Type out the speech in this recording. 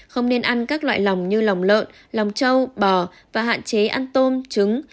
không nên ăn các loại lòng như lòng lợn lòng châu bò và hạn chế ăn tôm trứng